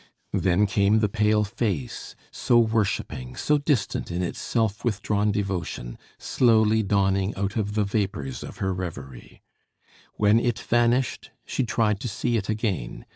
Then came the pale face, so worshipping, so distant in its self withdrawn devotion, slowly dawning out of the vapours of her reverie. When it vanished, she tried to see it again.